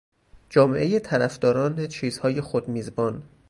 جامعهٔ طرفداران چیزهای خودمیزبان.